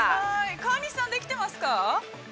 ◆川西さん、できてますか。